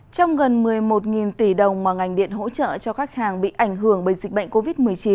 trong gần một mươi một tỷ đồng mà ngành điện hỗ trợ cho khách hàng bị ảnh hưởng bởi dịch bệnh covid một mươi chín